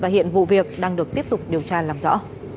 hiện vụ việc đang được tiếp tục điều tra làm rõ